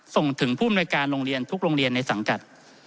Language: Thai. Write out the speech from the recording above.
ส่งถึงผู้อำนวยการโรงเรียนทุกโรงเรียนในสังกัด